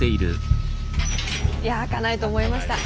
いや開かないと思いました。